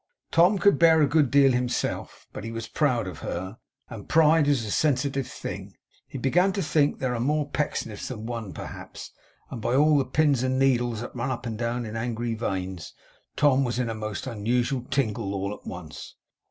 Tom could bear a good deal himself, but he was proud of her, and pride is a sensitive thing. He began to think, 'there are more Pecksniffs than one, perhaps,' and by all the pins and needles that run up and down in angry veins, Tom was in a most unusual tingle all at once!